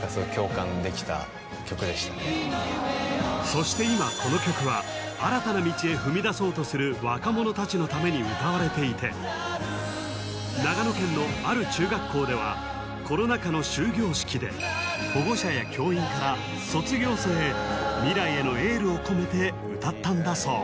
そして今この曲はたちのために歌われていて長野県のある中学校ではコロナ禍の終業式で保護者や教員から卒業生へ未来へのエールを込めて歌ったんだそう